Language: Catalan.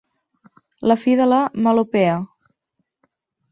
La fi de la melopea.